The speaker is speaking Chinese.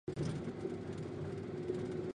新时代集团控股有限公司。